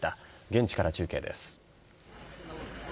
現地から中継です。